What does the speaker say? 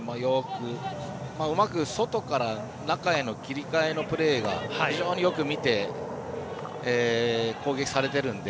うまく外から中への切り替えのプレーが非常によく見て攻撃されてるので。